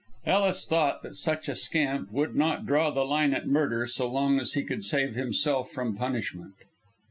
Ellis thought that such a scamp would not draw the line at murder, so long as he could save himself from punishment.